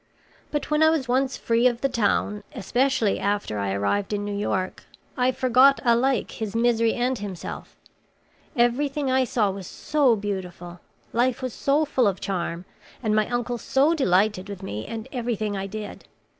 But when I was once free of the town, especially after I arrived in New York, I forgot alike his misery and himself. Everything I saw was so beautiful! Life was so full of charm, and my uncle so delighted with me and everything I did!